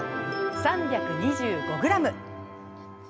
３２５ｇ。